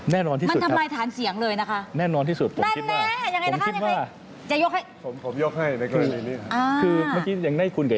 แน่นอนที่สุดครับแน่นอนที่สุดผมคิดว่าแน่นอนที่สุดมันทำไมฐานเสียงเลยนะคะ